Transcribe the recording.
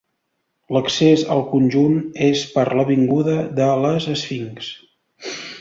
L'accés al conjunt és per l'avinguda de les Esfinxs.